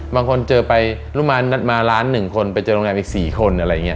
บางคนเจอไปรุมมานัดมาร้านหนึ่งคนไปเจอโรงแรมอีกสี่คนอะไรอย่างเงี้ย